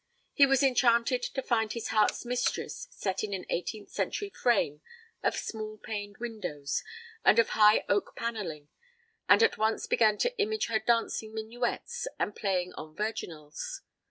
He was enchanted to find his heart's mistress set in an eighteenth century frame of small paned windows and of high oak panelling, and at once began to image her dancing minuets and playing on virginals.